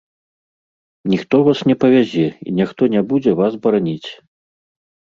Ніхто вас не павязе і ніхто не будзе вас бараніць.